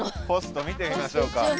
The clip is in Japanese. ポスト見てみましょうか。